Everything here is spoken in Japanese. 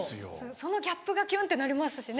そのギャップがキュンってなりますしね。